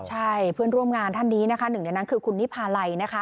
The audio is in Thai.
ใช่เพื่อนร่วมงานท่านนี้นะคะหนึ่งในนั้นคือคุณนิพาลัยนะคะ